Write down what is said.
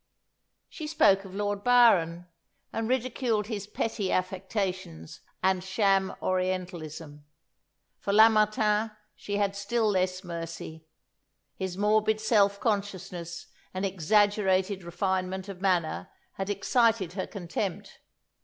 She spoke of Lord Byron, and ridiculed his petty affectations and sham Orientalism. For Lamartine she had still less mercy. His morbid self consciousness and exaggerated refinement of manner, had excited her contempt.